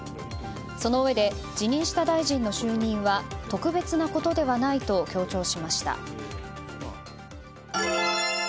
そのうえで、辞任した大臣の就任は特別なことではないと強調しました。